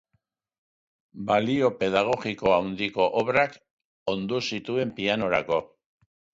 Balio pedagogiko handiko obrak ondu zituen pianorako.